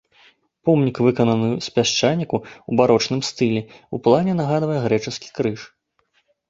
Помнік выкананы з пясчаніку ў барочным стылі, у плане нагадвае грэчаскі крыж.